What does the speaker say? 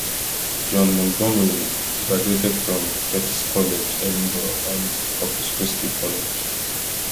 John Montgomerie graduated from Fettes College (Edinburgh) and Corpus Christi College.